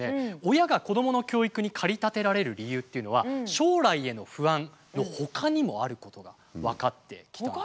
親が子どもの教育に駆り立てられる理由っていうのは将来への不安のほかにもあることが分かってきたんです。